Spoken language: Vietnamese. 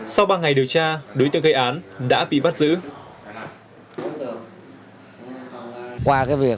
sau ba ngày điều tra đối tượng gây án đã bị bắt giữ